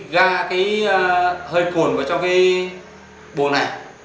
chữa bơm ra cái hơi khuẩn vào cái buồng này